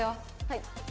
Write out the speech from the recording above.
はい。